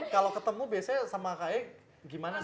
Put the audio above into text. kalo ketemu biasanya sama kak ayat gimana sih